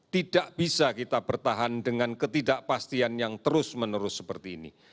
tidak bisa kita bertahan dengan ketidakpastian yang terus menerus seperti ini